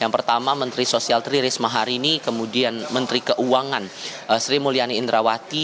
pertama menteri sosial tririsma harini kemudian menteri keuangan sri mulyani indrawati